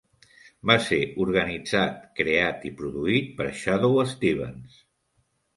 Va ser organitzat, creat i produït per Shadoe Stevens.